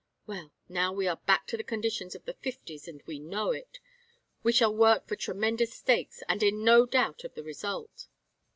Well, now we are back to the conditions of the Fifties, and we know it. We shall work for tremendous stakes, and in no doubt of the result."